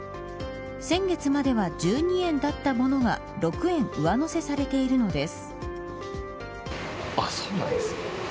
先月までは１２円だったものが６円上乗せされているのです。